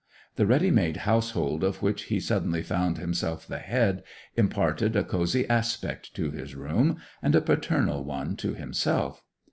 The ready made household of which he suddenly found himself the head imparted a cosy aspect to his room, and a paternal one to himself.